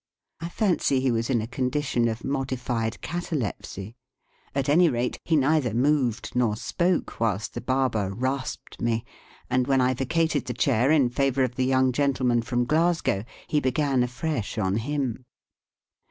I fancy he was in a condition of modified catalepsy. At any rate, he neither moved nor spoke whilst the barber rasped me, and when I vacated the chair in favour of the young gentleman from Glasgow he began afresh on him.